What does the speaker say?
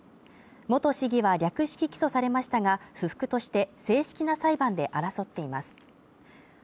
元市議は略式起訴されましたが、不服として正式な裁判で争っています。